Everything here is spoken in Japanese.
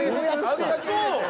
あんだけ入れて？